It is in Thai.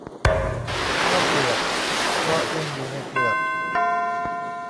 ข้าวเปลือก เพราะยังอยู่ในเปลือก